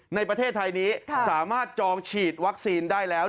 ในประเทศไทยนี้สามารถจองฉีดวัคซีนได้แล้ว